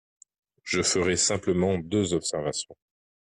Je ferai simplement deux observations.